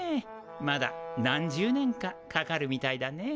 まだ何十年かかかるみたいだねえ。